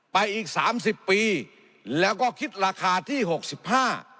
ไปอีกสามสิบปีแล้วก็คิดราคาที่หกสิบห้า